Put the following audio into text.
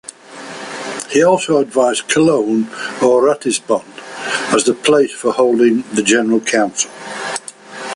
He also advised Cologne or Ratisbon as the place for holding the General Council.